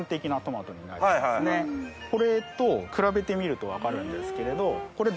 これと比べてみると分かるんですけれどこれ。